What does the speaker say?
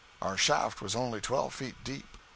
Our shaft was only twelve feet deep.